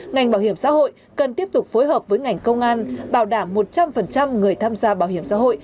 ngành bảo hiểm xã hội cần tiếp tục phối hợp với ngành công an bảo đảm một trăm linh người tham gia bảo hiểm xã hội